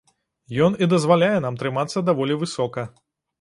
Ён і дазваляе нам трымацца даволі высока.